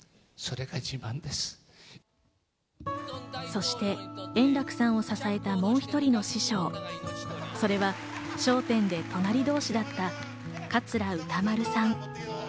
そして、円楽さんを支えたもう１人の師匠、それは『笑点』で隣同士だった桂歌丸さん。